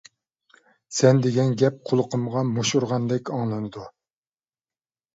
سەن دېگەن گەپ قۇلىقىمغا مۇش ئۇرغاندەك ئاڭلىنىدۇ.